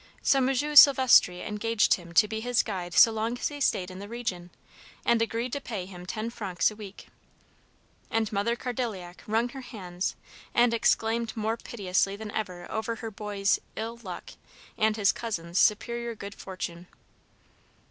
So M. Sylvestre engaged him to be his guide so long as he stayed in the region, and agreed to pay him ten francs a week. And Mother Cardilliac wrung her hands, and exclaimed more piteously than ever over her boy's "ill luck" and his cousin's superior good fortune.